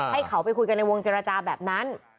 ให้เขาไปคุยกันในวงเจรจาแบบนั้น